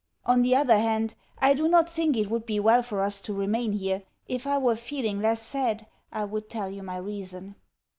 On the other hand, I do not think it would be well for us to remain here. If I were feeling less sad I would tell you my reason.